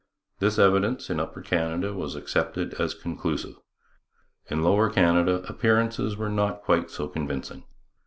This evidence, in Upper Canada, was accepted as conclusive. In Lower Canada appearances were not quite so convincing.